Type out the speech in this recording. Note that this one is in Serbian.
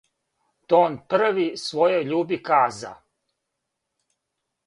Те он први својој љуби каза: